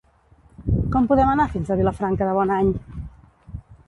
Com podem anar fins a Vilafranca de Bonany?